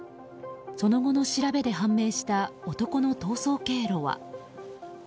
その後の調べで判明した男の逃走経路は。